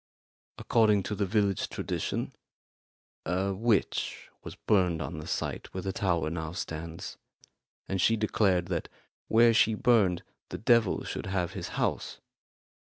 According to the village tradition, a witch was burned on the site where the tower now stands, and she declared that where she burned the devil should have his house.